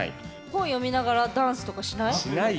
本読みながらダンスとかしない？